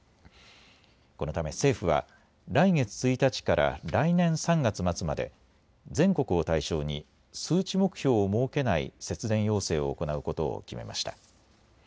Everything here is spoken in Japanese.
このため政府は来月１日から来年３月末まで全国を対象に数値目標を設けない節電要請を行うことを決めました。